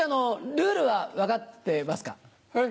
ルールは分かってますか？